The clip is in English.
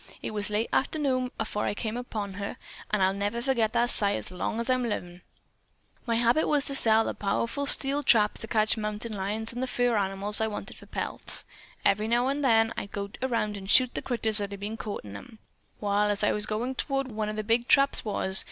It was late arternoon afore I come upon her, an' I'll never forget that sight as long as I'm livin'. "My habit was to set them powerful steel traps to catch mountain lions and the fur animals I wanted for pelts. Then, every few days, I'd go the round and shoot the critters that had been caught in 'em. Wall, as I was goin' toward whar one of them big traps was.